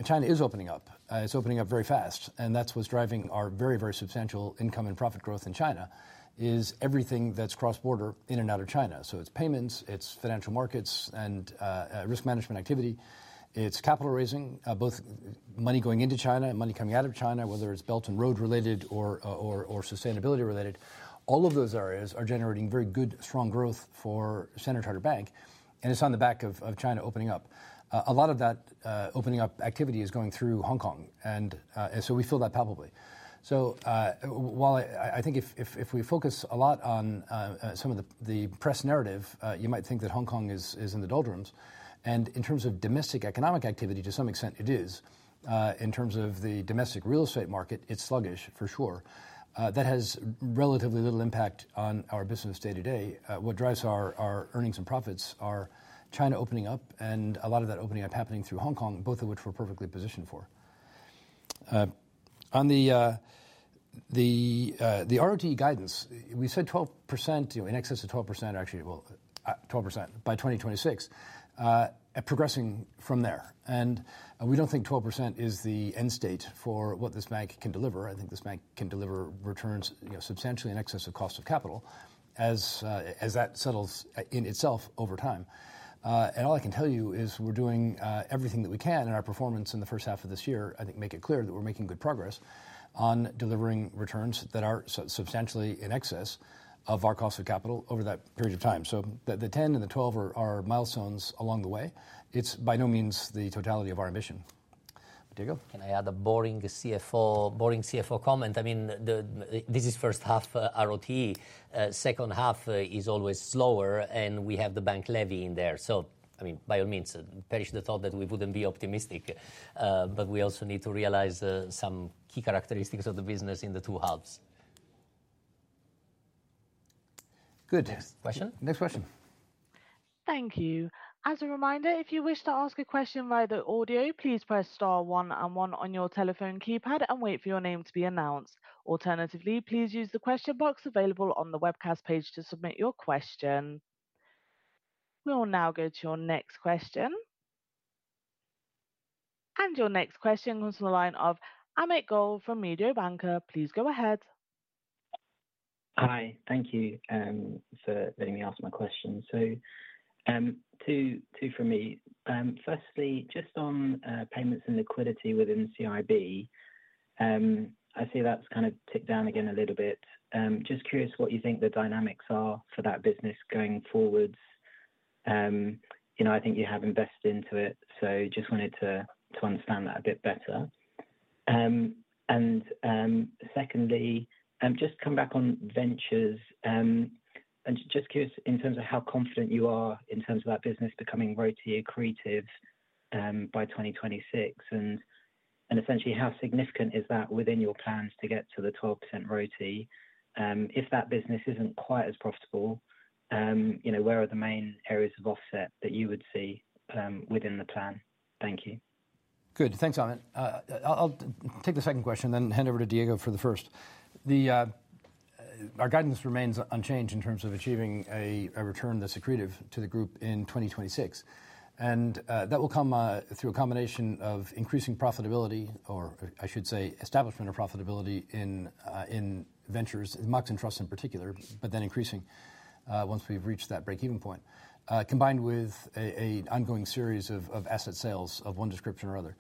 China is opening up. It's opening up very fast, and that's what's driving our very, very substantial income and profit growth in China, is everything that's cross-border in and out of China. So it's payments, it's financial markets, and risk management activity, it's capital raising, both money going into China and money coming out of China, whether it's Belt and Road related or sustainability related. All of those areas are generating very good, strong growth for Standard Chartered Bank, and it's on the back of China opening up. A lot of that opening up activity is going through Hong Kong, and so we feel that palpably. So, well, I think if we focus a lot on some of the press narrative, you might think that Hong Kong is in the doldrums, and in terms of domestic economic activity, to some extent, it is. In terms of the domestic real estate market, it's sluggish, for sure. That has relatively little impact on our business day-to-day. What drives our, our earnings and profits are China opening up, and a lot of that opening up happening through Hong Kong, both of which we're perfectly positioned for. On the ROTE guidance, we said 12%, you know, in excess of 12%, actually, well, 12% by 2026, progressing from there. And, we don't think 12% is the end state for what this bank can deliver. I think this bank can deliver returns, you know, substantially in excess of cost of capital, as that settles, in itself over time. And all I can tell you is we're doing everything that we can, and our performance in the first half of this year, I think, make it clear that we're making good progress on delivering returns that are substantially in excess of our cost of capital over that period of time. So the 10% and the 12% are milestones along the way. It's by no means the totality of our ambition. Diego? Can I add a boring CFO, boring CFO comment? I mean, this is first half, ROTE. Second half is always slower, and we have the bank levy in there. So I mean, by all means, perish the thought that we wouldn't be optimistic, but we also need to realize some key characteristics of the business in the two halves. Good. Question? Next question. Thank you. As a reminder, if you wish to ask a question via the audio, please press star one and one on your telephone keypad and wait for your name to be announced. Alternatively, please use the question box available on the webcast page to submit your question. We will now go to your next question. Your next question comes from the line of Amit Goel from Mediobanca. Please go ahead. Hi, thank you for letting me ask my question. So, two for me. Firstly, just on payments and liquidity within CIB, I see that's kind of ticked down again a little bit. Just curious what you think the dynamics are for that business going forwards. You know, I think you have invested into it, so just wanted to understand that a bit better. And secondly, just come back on ventures, and just curious in terms of how confident you are in terms of that business becoming ROTE accretive by 2026, and essentially, how significant is that within your plans to get to the 12% ROTE? If that business isn't quite as profitable, you know, where are the main areas of offset that you would see within the plan? Thank you. Good. Thanks, Amit. I'll take the second question, then hand over to Diego for the first. Our guidance remains unchanged in terms of achieving a return that's accretive to the group in 2026. And that will come through a combination of increasing profitability, or I should say, establishment of profitability in ventures, Mox and Trust in particular, but then increasing once we've reached that break-even point, combined with an ongoing series of asset sales of one description or other.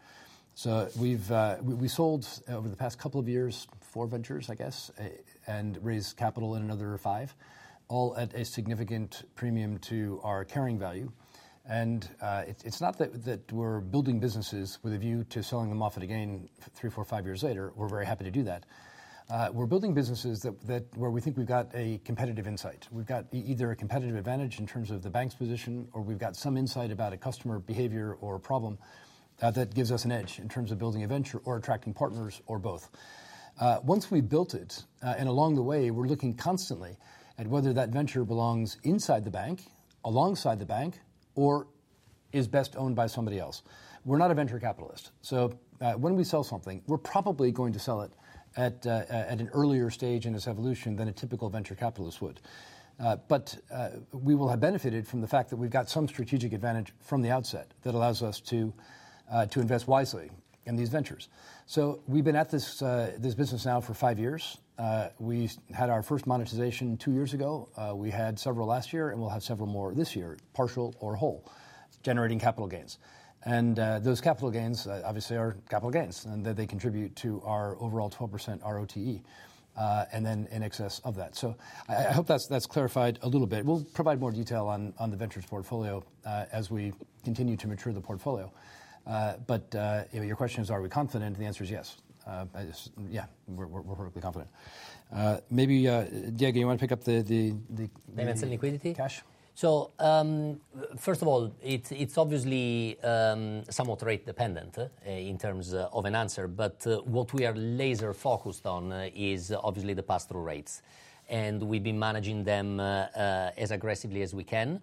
So we've sold, over the past couple of years, 4 ventures, I guess, and raised capital in another five, all at a significant premium to our carrying value... and it's not that we're building businesses with a view to selling them off at a gain three, four, five years later. We're very happy to do that. We're building businesses that where we think we've got a competitive insight. We've got either a competitive advantage in terms of the bank's position, or we've got some insight about a customer behavior or a problem that gives us an edge in terms of building a venture or attracting partners or both. Once we've built it, and along the way, we're looking constantly at whether that venture belongs inside the bank, alongside the bank, or is best owned by somebody else. We're not a venture capitalist, so when we sell something, we're probably going to sell it at an earlier stage in its evolution than a typical venture capitalist would. But we will have benefited from the fact that we've got some strategic advantage from the outset that allows us to invest wisely in these ventures. So we've been at this business now for five years. We had our first monetization two years ago. We had several last year, and we'll have several more this year, partial or whole, generating capital gains. And those capital gains obviously are capital gains, and they contribute to our overall 12% ROTE, and then in excess of that. So I hope that's clarified a little bit. We'll provide more detail on the ventures portfolio as we continue to mature the portfolio. But you know, your question is, are we confident? The answer is yes. Yeah, we're perfectly confident. Maybe, Diego, you want to pick up the- Balance and liquidity? -cash. So, first of all, it's obviously somewhat rate dependent in terms of an answer, but what we are laser focused on is obviously the pass-through rates, and we've been managing them as aggressively as we can.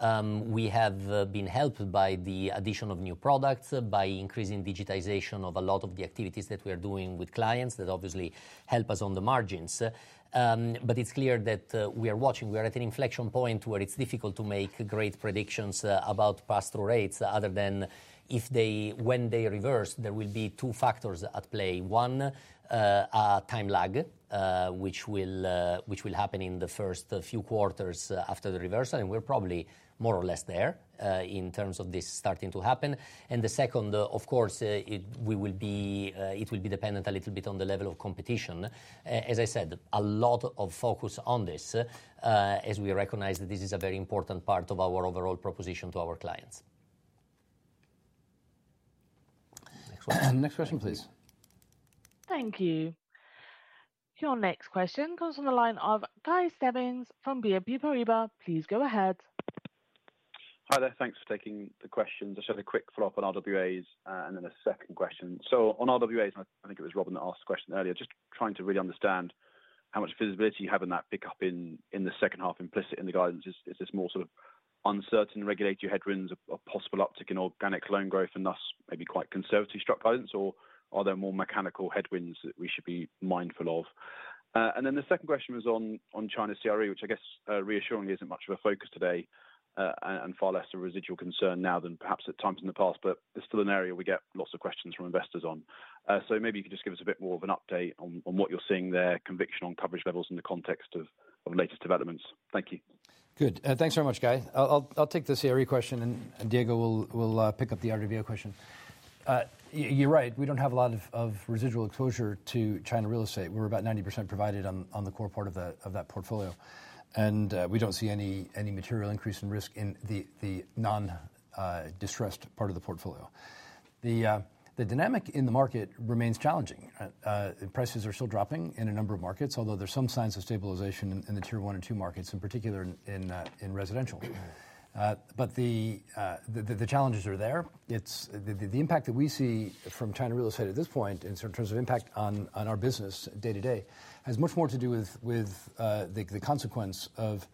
We have been helped by the addition of new products, by increasing digitization of a lot of the activities that we are doing with clients that obviously help us on the margins. But it's clear that we are watching. We are at an inflection point where it's difficult to make great predictions about pass-through rates, other than if they, when they reverse, there will be two factors at play. One, a time lag, which will happen in the first few quarters after the reversal, and we're probably more or less there in terms of this starting to happen. And the second, of course, it will be dependent a little bit on the level of competition. As I said, a lot of focus on this, as we recognize that this is a very important part of our overall proposition to our clients. Next question, please. Thank you. Your next question comes from the line of Guy Stebbings from BNP Paribas. Please go ahead. Hi there. Thanks for taking the question. Just have a quick follow-up on RWAs, and then a second question. So on RWAs, I, I think it was Robin that asked the question earlier, just trying to really understand how much visibility you have in that pickup in the second half implicit in the guidance. Is, is this more sort of uncertain regulatory headwinds, a possible uptick in organic loan growth and thus maybe quite conservative struck guidance, or are there more mechanical headwinds that we should be mindful of? And then the second question was on China CRE, which I guess, reassuringly isn't much of a focus today, and far less a residual concern now than perhaps at times in the past, but it's still an area we get lots of questions from investors on. So maybe you could just give us a bit more of an update on what you're seeing there, conviction on coverage levels in the context of latest developments. Thank you. Good. Thanks very much, Guy. I'll take the CRE question, and Diego will pick up the RWA question. You're right. We don't have a lot of residual exposure to China real estate. We're about 90% provided on the core part of that portfolio, and we don't see any material increase in risk in the non-distressed part of the portfolio. The dynamic in the market remains challenging. Prices are still dropping in a number of markets, although there's some signs of stabilization in the Tier 1 and 2 markets, in particular in residential. But the challenges are there. It's... The impact that we see from China real estate at this point in terms of impact on our business day to day has much more to do with the consequence of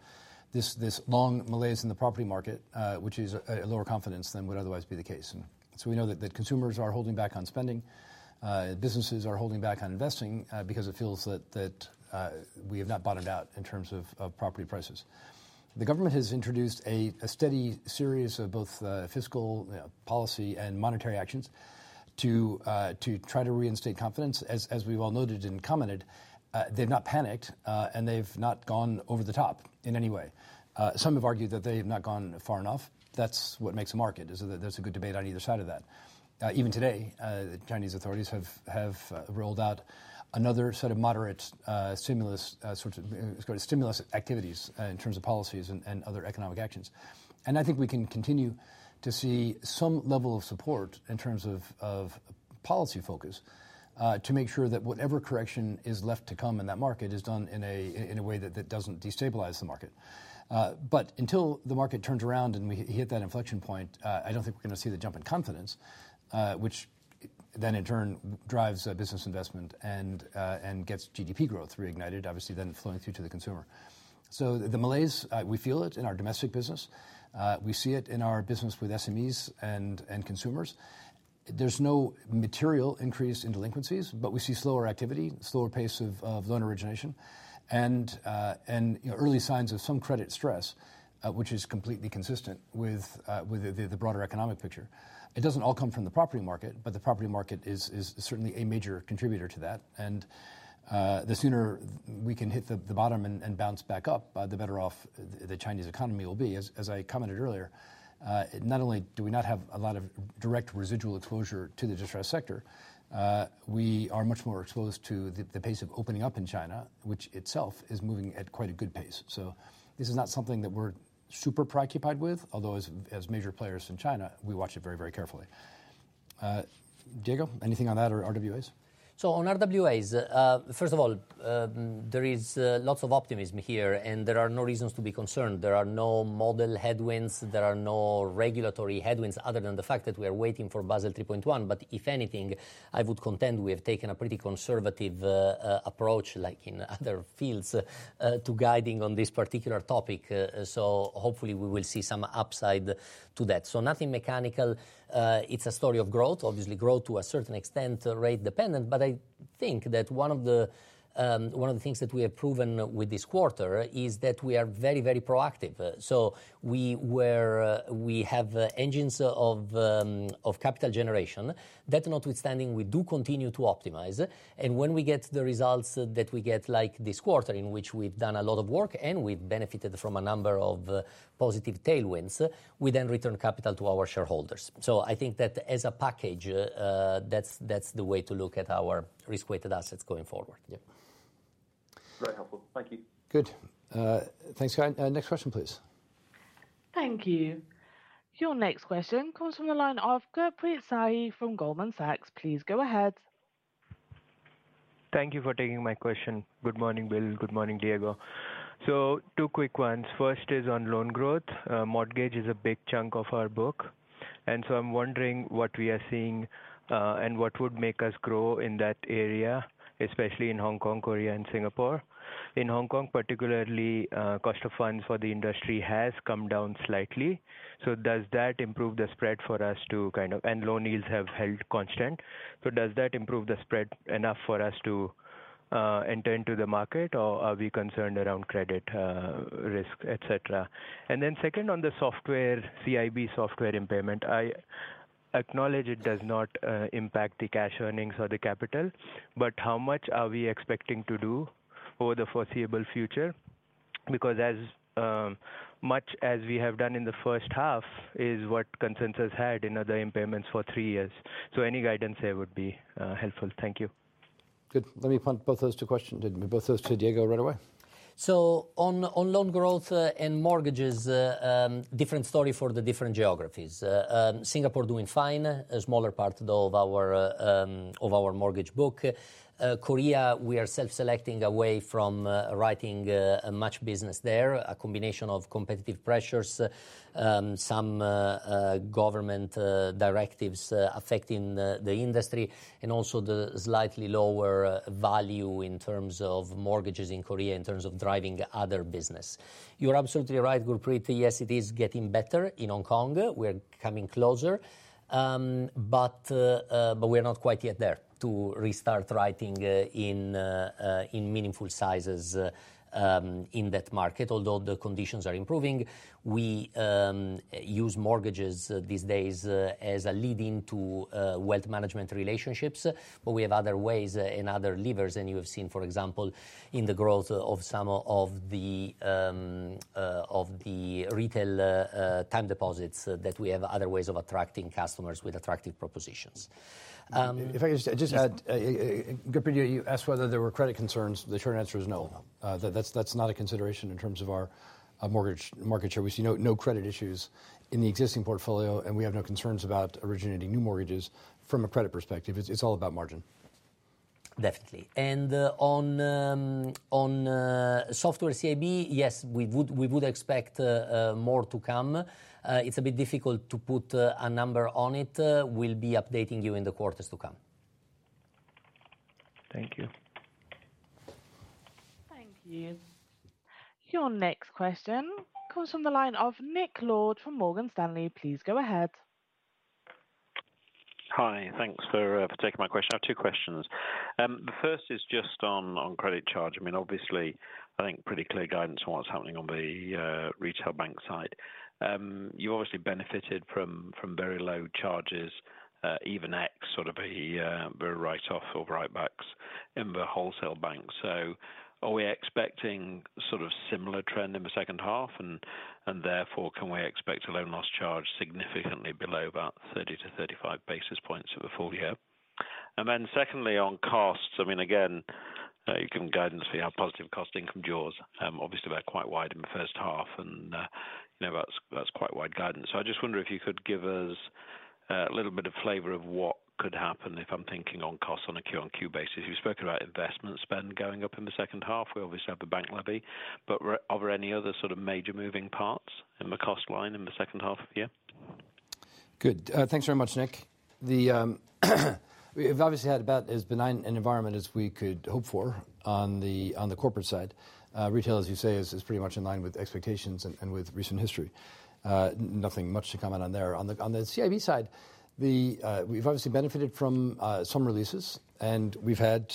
this long malaise in the property market, which is a lower confidence than would otherwise be the case. And so we know that consumers are holding back on spending, businesses are holding back on investing, because it feels that we have not bottomed out in terms of property prices. The government has introduced a steady series of both fiscal policy and monetary actions to try to reinstate confidence. As we well noted and commented, they've not panicked, and they've not gone over the top in any way. Some have argued that they have not gone far enough. That's what makes a market, is that there's a good debate on either side of that. Even today, the Chinese authorities have rolled out another set of moderate stimulus, let's call it stimulus activities, in terms of policies and other economic actions. And I think we can continue to see some level of support in terms of policy focus, to make sure that whatever correction is left to come in that market is done in a way that doesn't destabilize the market. But until the market turns around and we hit that inflection point, I don't think we're going to see the jump in confidence, which then in turn drives business investment and gets GDP growth reignited, obviously, then flowing through to the consumer. So the malaise we feel it in our domestic business, we see it in our business with SMEs and consumers. There's no material increase in delinquencies, but we see slower activity, slower pace of loan origination, and, you know, early signs of some credit stress, which is completely consistent with the broader economic picture. It doesn't all come from the property market, but the property market is certainly a major contributor to that, and the sooner we can hit the bottom and bounce back up, the better off the Chinese economy will be. As I commented earlier, not only do we not have a lot of direct residual exposure to the distressed sector, we are much more exposed to the pace of opening up in China, which itself is moving at quite a good pace. So this is not something that we're super preoccupied with, although as major players in China, we watch it very, very carefully. Diego, anything on that or RWAs? So on RWAs, first of all, there is lots of optimism here, and there are no reasons to be concerned. There are no model headwinds, there are no regulatory headwinds, other than the fact that we are waiting for Basel 3.1. But if anything, I would contend we have taken a pretty conservative approach, like in other fields, to guiding on this particular topic. So hopefully we will see some upside to that. So nothing mechanical. It's a story of growth, obviously growth to a certain extent, rate dependent. But I think that one of the, one of the things that we have proven with this quarter is that we are very, very proactive. So we have engines of capital generation. That notwithstanding, we do continue to optimize, and when we get the results that we get, like this quarter, in which we've done a lot of work and we've benefited from a number of positive headwinds, we then return capital to our shareholders. So I think that as a package, that's, that's the way to look at our risk-weighted assets going forward. Yeah. Very helpful. Thank you. Good. Thanks, guy. Next question, please. Thank you. Your next question comes from the line of Gurpreet Sahi from Goldman Sachs. Please go ahead. Thank you for taking my question. Good morning, Bill. Good morning, Diego. So two quick ones. First is on loan growth. Mortgage is a big chunk of our book, and so I'm wondering what we are seeing, and what would make us grow in that area, especially in Hong Kong, Korea and Singapore. In Hong Kong particularly, cost of funds for the industry has come down slightly. So does that improve the spread for us to kind of... And loan yields have held constant. So does that improve the spread enough for us to enter into the market, or are we concerned around credit risk, et cetera? And then second, on the software, CIB software impairment, I acknowledge it does not impact the cash earnings or the capital, but how much are we expecting to do over the foreseeable future? Because as much as we have done in the first half is what consensus had in other impairments for three years, so any guidance there would be helpful. Thank you. Good. Let me punt both those two questions, both those to Diego right away. So on loan growth and mortgages, different story for the different geographies. Singapore doing fine, a smaller part, though, of our mortgage book. Korea, we are self-selecting away from writing much business there. A combination of competitive pressures, some government directives affecting the industry, and also the slightly lower value in terms of mortgages in Korea, in terms of driving other business. You're absolutely right, Gurpreet, yes, it is getting better in Hong Kong. We are coming closer. But we are not quite yet there to restart writing in meaningful sizes in that market. Although the conditions are improving, we use mortgages these days as a lead-in to wealth management relationships. But we have other ways and other levers, and you have seen, for example, in the growth of some of the retail time deposits, that we have other ways of attracting customers with attractive propositions. If I could just add, Gurpreet, you asked whether there were credit concerns. The short answer is no. No. That's not a consideration in terms of our mortgage market share. We see no, no credit issues in the existing portfolio, and we have no concerns about originating new mortgages from a credit perspective. It's all about margin. Definitely. And on software CIB, yes, we would expect more to come. It's a bit difficult to put a number on it. We'll be updating you in the quarters to come. Thank you. Thank you. Your next question comes from the line of Nick Lord from Morgan Stanley. Please go ahead. Hi, thanks for taking my question. I have two questions. The first is just on credit charge. I mean, obviously, I think pretty clear guidance on what's happening on the retail bank side. You obviously benefited from very low charges, even X sort of a write off or write backs in the wholesale bank. So are we expecting sort of similar trend in the second half? And therefore, can we expect a loan loss charge significantly below about 30-35 basis points for the full year? And then secondly, on costs, I mean, again, you give guidance for your positive cost income jaws. Obviously, we're quite wide in the first half, and you know, that's quite wide guidance. So I just wonder if you could give us a little bit of flavor of what could happen if I'm thinking on costs on a Q-on-Q basis. You spoke about investment spend going up in the second half. We obviously have the bank levy, but are there any other sort of major moving parts in the cost line in the second half of the year? Good. Thanks very much, Nick. We've obviously had about as benign an environment as we could hope for on the corporate side. Retail, as you say, is pretty much in line with expectations and with recent history. Nothing much to comment on there. On the CIB side, we've obviously benefited from some releases, and we've had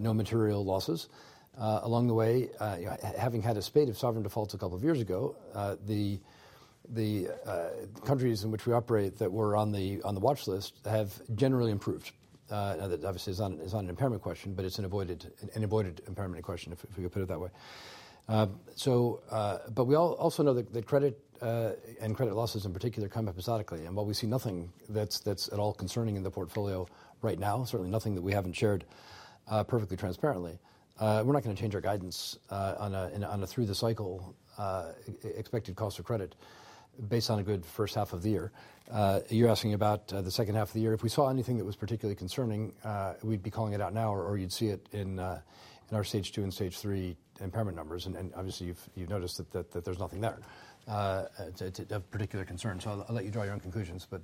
no material losses. Along the way, having had a spate of sovereign defaults a couple of years ago, the countries in which we operate that were on the watch list have generally improved. That obviously is not an impairment question, but it's an avoided impairment question, if we could put it that way. So, but we also know that the credit and credit losses in particular come episodically, and while we see nothing that's at all concerning in the portfolio right now, certainly nothing that we haven't shared perfectly transparently, we're not going to change our guidance on a through-the-cycle expected cost of credit based on a good first half of the year. You're asking about the second half of the year. If we saw anything that was particularly concerning, we'd be calling it out now, or you'd see it in our stage two and stage three impairment numbers, and obviously, you've noticed that there's nothing there of particular concern. So I'll let you draw your own conclusions, but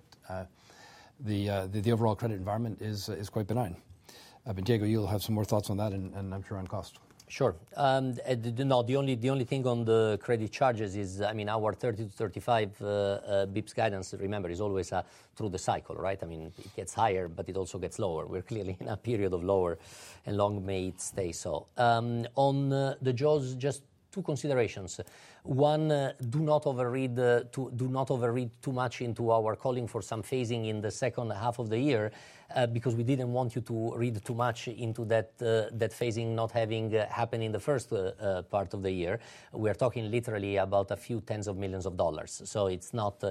the overall credit environment is quite benign. But Diego, you'll have some more thoughts on that and I'm sure on cost. Sure. The only thing on the credit charges is, I mean, our 30-35 basis points guidance, remember, is always through the cycle, right? I mean, it gets higher, but it also gets lower. We're clearly in a period of lower, and long may it stay so. On the jaws, just two considerations. One, do not overread too much into our calling for some phasing in the second half of the year, because we didn't want you to read too much into that, that phasing not having part of the year. We're talking literally about a few tens of millions of dollars, so it's not,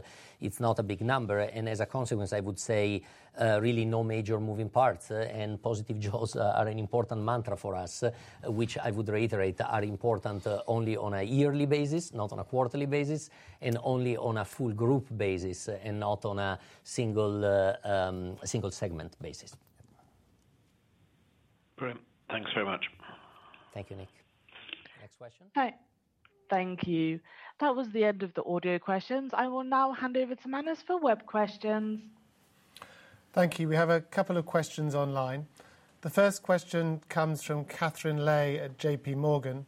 it's not a big number, and as a consequence, I would say, really no major moving parts, and positive jaws are an important mantra for us. Which I would reiterate, are important, only on a yearly basis, not on a quarterly basis, and only on a full group basis, and not on a single, a single segment basis. Great. Thanks very much. Thank you, Nick. Next question. Hi. Thank you. That was the end of the audio questions. I will now hand over to Manus for web questions. Thank you. We have a couple of questions online. The first question comes from Katherine Lei at JPMorgan.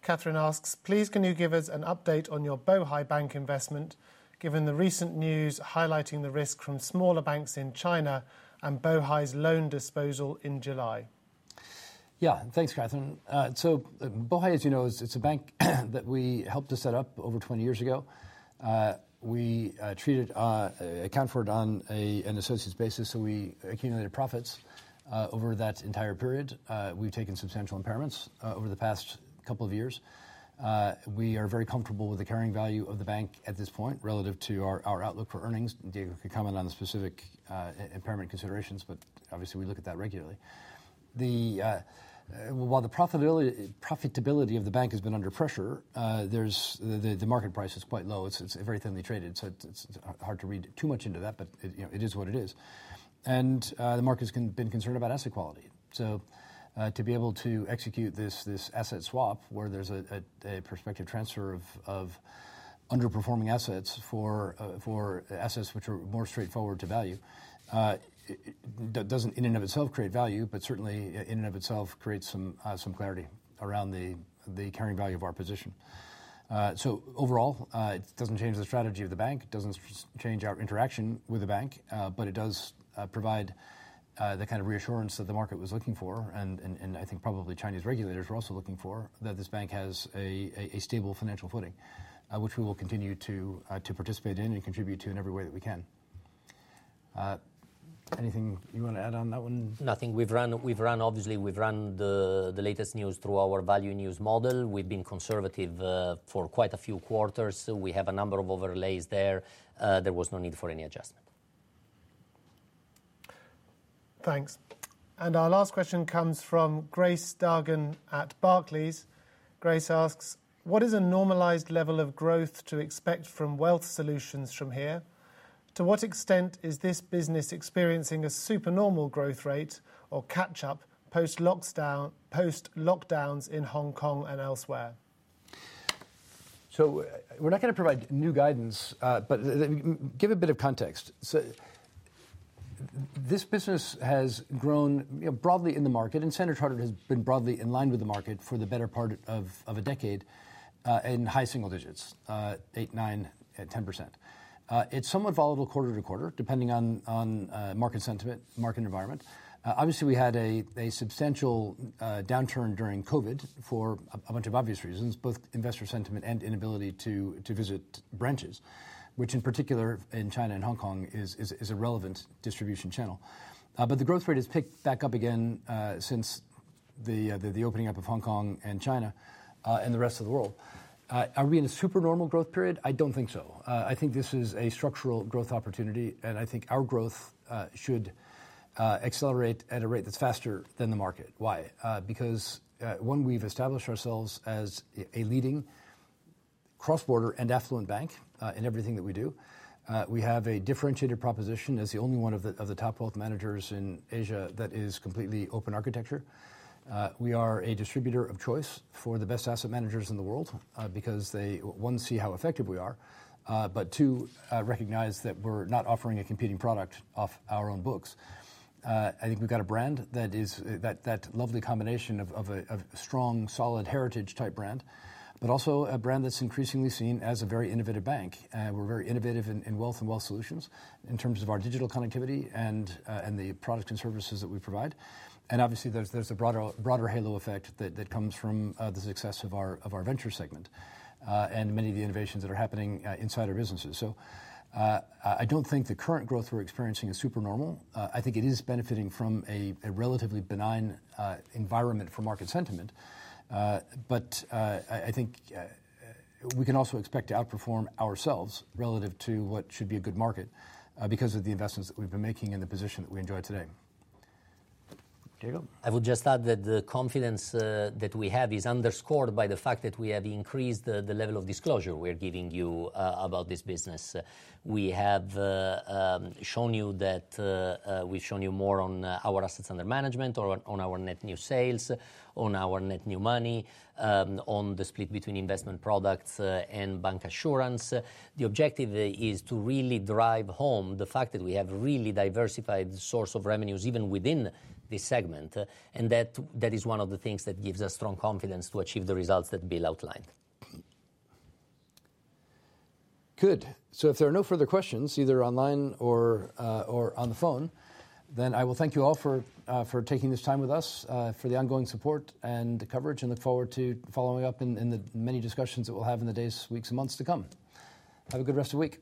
Katherine asks: "Please, can you give us an update on your Bohai Bank investment, given the recent news highlighting the risk from smaller banks in China and Bohai's loan disposal in July? Yeah. Thanks, Katherine. So Bohai, as you know, is, it's a bank that we helped to set up over 20 years ago. We accounted for it on an associates basis, so we accumulated profits over that entire period. We've taken substantial impairments over the past couple of years. We are very comfortable with the carrying value of the bank at this point, relative to our, our outlook for earnings. Diego can comment on the specific impairment considerations, but obviously, we look at that regularly. While the profitability, profitability of the bank has been under pressure, there's the, the market price is quite low. It's, it's very thinly traded, so it's, it's hard to read too much into that, but, it, you know, it is what it is. The market has been concerned about asset quality. So, to be able to execute this asset swap, where there's a prospective transfer of underperforming assets for assets which are more straightforward to value, it doesn't in and of itself create value, but certainly in and of itself creates some clarity around the carrying value of our position. So overall, it doesn't change the strategy of the bank. It doesn't change our interaction with the bank, but it does provide the kind of reassurance that the market was looking for, and I think probably Chinese regulators were also looking for, that this bank has a stable financial footing. Which we will continue to participate in and contribute to in every way that we can. Anything you want to add on that one? Nothing. We've run... Obviously, we've run the latest news through our value-in-use model. We've been conservative for quite a few quarters. We have a number of overlays there. There was no need for any adjustment. Thanks. Our last question comes from Grace Dargan at Barclays. Grace asks: "What is a normalized level of growth to expect from Wealth Solutions from here? To what extent is this business experiencing a supernormal growth rate or catch-up post-lockdown, post-lockdowns in Hong Kong and elsewhere? So we're not going to provide new guidance, but let me give a bit of context. So this business has grown, you know, broadly in the market, and Standard Chartered has been broadly in line with the market for the better part of a decade, in high single digits, 8%, 9%, and 10%. It's somewhat volatile quarter-to-quarter, depending on market sentiment, market environment. Obviously, we had a substantial downturn during COVID for a bunch of obvious reasons, both investor sentiment and inability to visit branches, which in particular, in China and Hong Kong, is a relevant distribution channel. But the growth rate has picked back up again, since the opening up of Hong Kong and China, and the rest of the world. Are we in a supernormal growth period? I don't think so. I think this is a structural growth opportunity, and I think our growth should accelerate at a rate that's faster than the market. Why? Because one, we've established ourselves as a leading cross-border and affluent bank in everything that we do. We have a differentiated proposition as the only one of the top wealth managers in Asia that is completely open architecture. We are a distributor of choice for the best asset managers in the world because they, one, see how effective we are, but two, recognize that we're not offering a competing product off our own books. I think we've got a brand that is that lovely combination of a strong, solid heritage type brand, but also a brand that's increasingly seen as a very innovative bank. We're very innovative in wealth and wealth solutions, in terms of our digital connectivity and the products and services that we provide. And obviously, there's a broader halo effect that comes from the success of our venture segment and many of the innovations that are happening inside our businesses. So, I don't think the current growth we're experiencing is supernormal. I think it is benefiting from a relatively benign environment for market sentiment. But, I think we can also expect to outperform ourselves relative to what should be a good market, because of the investments that we've been making and the position that we enjoy today. Diego? I would just add that the confidence that we have is underscored by the fact that we have increased the level of disclosure we're giving you about this business. We have shown you that. We've shown you more on our assets under management, on our net new sales, on our net new money, on the split between investment products and bank assurance. The objective is to really drive home the fact that we have really diversified source of revenues, even within this segment, and that is one of the things that gives us strong confidence to achieve the results that Bill outlined. Good. So if there are no further questions, either online or, or on the phone, then I will thank you all for, for taking this time with us, for the ongoing support and coverage, and look forward to following up in the many discussions that we'll have in the days, weeks, and months to come. Have a good rest of the week.